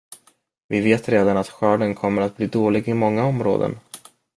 Vi vet redan att skörden kommer att bli dålig i många områden.